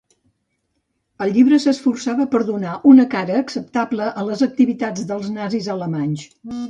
El llibre s"esforçava per donar una cara acceptable a les activitats del nazis alemanys.